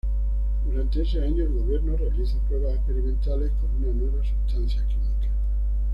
Durante ese año, el gobierno realiza pruebas experimentales con una nueva sustancia química.